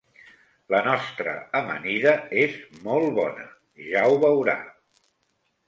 La nostra amanida és molt bona, ja ho veurà.